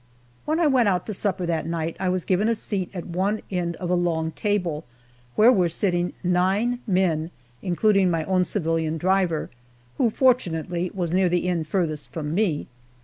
When I went out to supper that night I was given a seat at one end of a long table where were already sitting nine men, including my own civilian driver, who, fortunately, was near the end farthest from me.